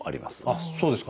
あっそうですか。